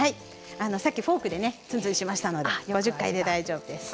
さっきフォークでねつんつんしましたので５０回で大丈夫です。